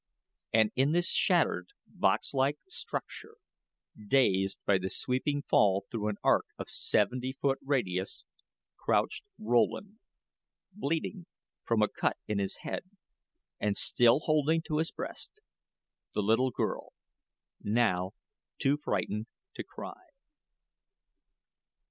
And in this shattered, box like structure, dazed by the sweeping fall through an arc of seventy foot radius, crouched Rowland, bleeding from a cut in his head, and still holding to his breast the little girl now too frightened to cry.